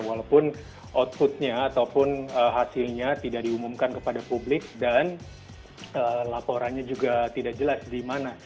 walaupun outputnya ataupun hasilnya tidak diumumkan kepada publik dan laporannya juga tidak jelas di mana